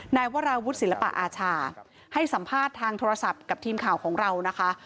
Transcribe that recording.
นายวราวุฒิศิลปะอาชาให้สัมภาษณ์ทางโทรศัพท์กับทีมข่าวของเรานะคะ